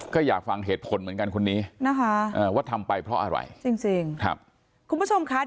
ก็อยากฟังเหตุผลเหมือนกันคนนี้นะคะว่าทำไปเพราะอะไรจริงครับคุณผู้ชมค่ะ